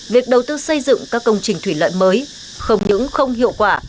việc đầu tư xây dựng các công trình thủy lợi mới không những không hiệu quả